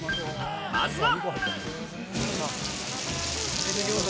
まずは！